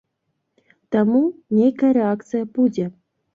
Таму, нейкая рэакцыя будзе.